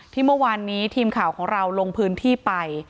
เมื่อวานนี้ทีมข่าวของเราลงพื้นที่ไป